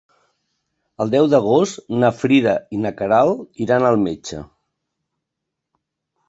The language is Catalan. El deu d'agost na Frida i na Queralt iran al metge.